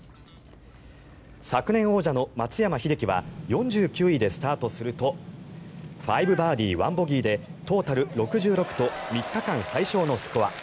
昨年王者の松山英樹は４９位でスタートすると５バーディー、１ボギーでトータル６６と３日間最少のスコア。